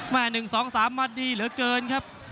๑๒๓มาดีเหลือเกินครับ